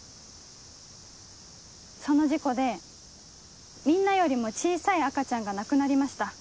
その事故でみんなよりも小さい赤ちゃんが亡くなりました。